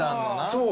そう。